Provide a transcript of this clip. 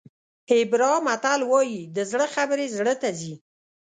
هیبرا متل وایي د زړه خبرې زړه ته ځي.